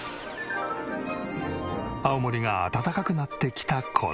青森が暖かくなってきた頃。